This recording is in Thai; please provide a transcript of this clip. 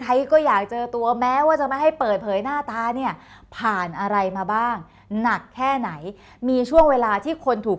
ใครก็อยากเจอตัวแม้ว่าจะไม่ให้เปิดเผยหน้าตาเนี่ยผ่านอะไรมาบ้างหนักแค่ไหนมีช่วงเวลาที่คนถูก